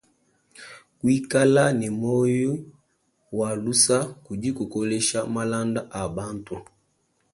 Kuikala ne moyi wa lusa kudi kukolesha malanda a bantu.